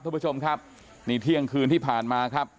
คุณผู้ชมครับนี่เที่ยงคืนที่ผ่านมาครับ